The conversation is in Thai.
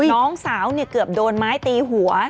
น้องสาวเกือบโดนไม้ตีหัว